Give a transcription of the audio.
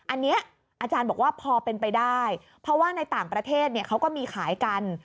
อันนี้อาจารย์บอกว่าพอเป็นไปได้เพราะว่าในต่างประเทศเขาก็มีขายกัน